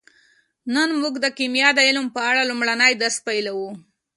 نن موږ د کیمیا د علم په اړه لومړنی درس پیلوو